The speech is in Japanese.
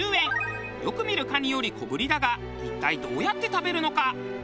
よく見る蟹より小振りだが一体どうやって食べるのか？